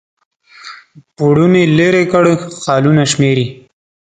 پوړونی لیري کړ خالونه شمیري